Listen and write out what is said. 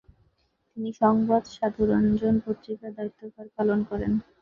তিনি সংবাদ সাধুরঞ্জন পত্রিকার দায়িত্বভার পালন করেন।